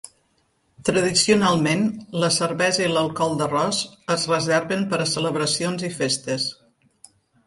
Tradicionalment, la cervesa i l'alcohol d'arròs es reserven per a celebracions i festes.